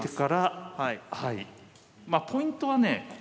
まポイントはね